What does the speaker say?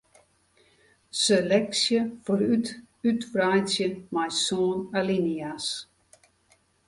Seleksje foarút útwreidzje mei sân alinea's.